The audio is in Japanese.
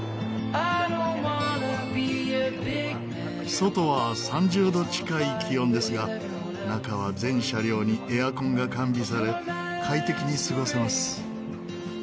外は３０度近い気温ですが中は全車両にエアコンが完備され快適に過ごせます。